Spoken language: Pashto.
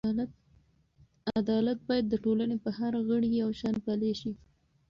عدالت باید د ټولنې په هر غړي یو شان پلی شي.